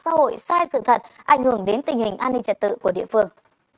xã hội sai sự thật ảnh hưởng đến tình hình an ninh trẻ tử của địa phương